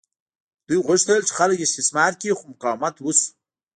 دوی غوښتل چې خلک استثمار کړي خو مقاومت وشو.